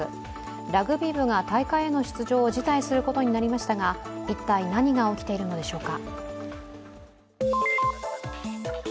ラグビー部が大会への出場を辞退することになりましたが、一体何が起きているのでしょうか。